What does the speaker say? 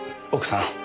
奥さん。